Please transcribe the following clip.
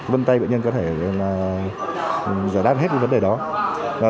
vân tay bệnh nhân có thể giải đáp hết vấn đề đó